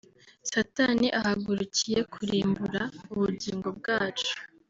Satani ahagurukiye kurimbura ubugingo bwacu